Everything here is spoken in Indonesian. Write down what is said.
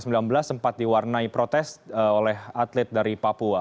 sempat diwarnai protes oleh atlet dari papua